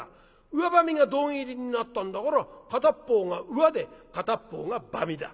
うわばみが胴切りになったんだから片っ方が『うわ』で片っ方が『ばみ』だ。